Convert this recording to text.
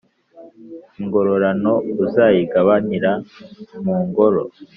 Ingororano uzayigabanira mu ngoro